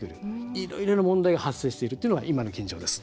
いろいろな問題が発生しているっていうが今の現状です。